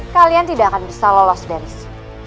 kalian tidak akan bisa lolos dari sini